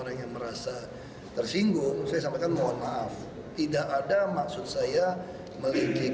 bagaimana cara agama ini menanggapi penundaan agama